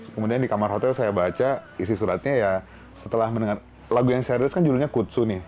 kemudian di kamar hotel saya baca isi suratnya ya setelah mendengar lagu yang serius kan judulnya kutsu nih